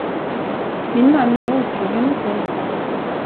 Min man är otrogen mot mig.